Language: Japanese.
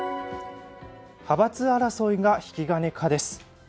派閥争いが引き金か。